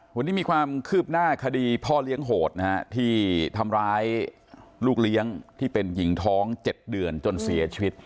วันนี้มีความคืบหน้าคดีพ่อเลี้ยงโหดนะฮะที่ทำร้ายลูกเลี้ยงที่เป็นหญิงท้อง๗เดือนจนเสียชีวิต